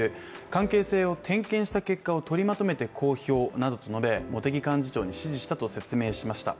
関係性を点検した結果を取りまとめて公表などと述べ、茂木幹事長に指示したと説明しました。